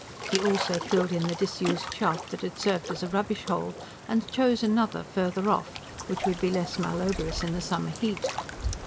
He also filled in the disused shaft that had served as a rubbish hole, and chose another, farther off, which would be less malodorous in the summer heat.